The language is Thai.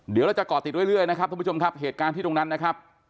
เดี๋ยวเราจะก่อติดเรื่อยนะครับท่านผู้ชมครับเหตุการณ์ที่ตรงนั้นนะครับ